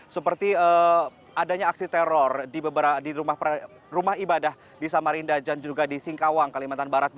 seperti adanya aksi teror di rumah ibadah di samarinda dan juga di singkawang kalimantan barat